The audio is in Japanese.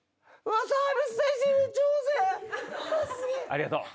ありがとう。